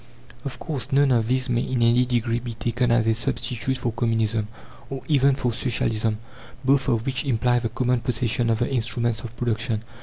Of course, none of these may, in any degree, be taken as a substitute for Communism, or even for Socialism, both of which imply the common possession of the instruments of production.